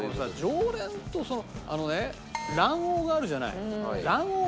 常連とそのあのね卵黄があるじゃない。